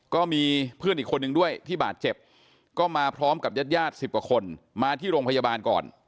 ก็มีเพื่อนอีกคนนึงด้วยที่บาดเจ็บก็มาพร้อมกับญาติญาติ๑๐กว่าคนมาที่โรงพยาบาลก่อน